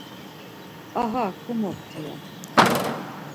Aha komopti ya.